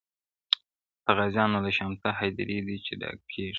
د غازیانو له شامته هدیرې دي چي ډکیږی!